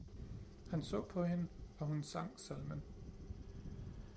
Han så på hende og hun sang salmen